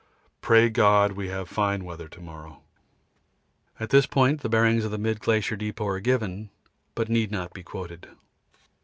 Pray God we have fine weather to morrow. [At this point the bearings of the mid glacier depôt are given, but need not be quoted.